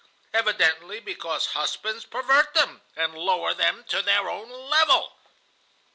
Evidently because husbands pervert them, and lower them to their own level.